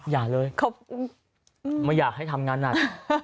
อย่าเลยเขาไม่อยากให้ทำงานหนัก